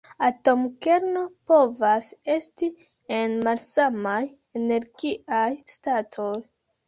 Atomkerno povas esti en malsamaj energiaj statoj.